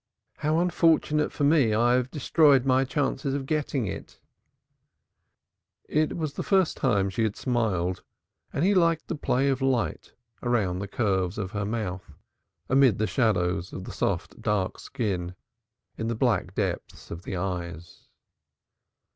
"How unfortunate for me I have destroyed my chance of getting it." It was the first time she had smiled, and he liked the play of light round the curves of her mouth, amid the shadows of the soft dark skin, in the black depths of the eyes.